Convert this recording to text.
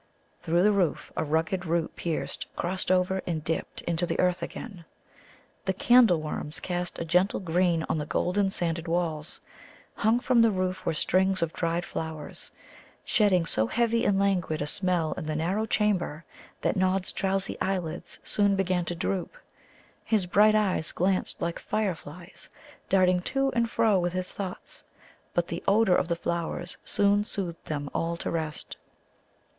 Through the roof a rugged root pierced, crossed over, and dipped into the earth again. The candle worms cast a gentle sheen on the golden sanded walls. Hung from the roof were strings of dried flowers, shedding so heavy and languid a smell in the narrow chamber that Nod's drowsy eyelids soon began to droop. His bright eyes glanced like fireflies, darting to and fro with his thoughts. But the odour of the flowers soon soothed them all to rest.